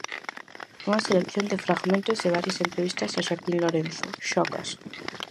Unha selección de fragmentos de varias entrevistas a Xaquín Lorenzo, Xocas.